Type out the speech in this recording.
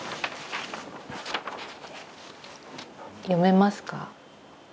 読めますか？